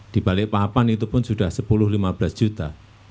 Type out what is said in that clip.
di balikpapan itu pun sudah sepuluh lima belas juta